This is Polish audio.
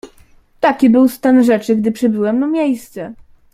"Taki był stan rzeczy, gdy przybyłem na miejsce."